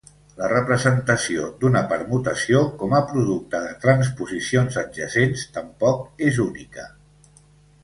La representació d'una permutació com a producte de transposicions adjacents tampoc és única.